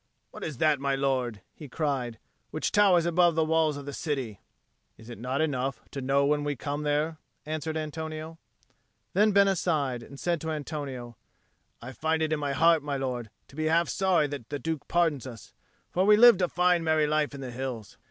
"What is that, my lord," he cried, "which towers above the walls of the city?" "Is it not enough to know when we come there?" answered Antonio. Then Bena sighed, and said to Antonio, "I find it in my heart, my lord, to be half sorry that the Duke pardons us; for we lived a fine merry life in the hills.